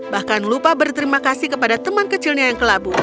bahkan lupa berterima kasih kepada teman kecilnya yang kelabu